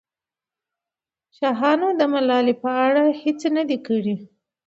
شاهانو د ملالۍ په اړه هېڅ نه دي کړي.